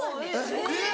えっ！